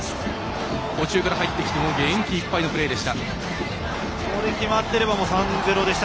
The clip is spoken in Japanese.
途中から入ってきての元気いっぱいのプレーでした。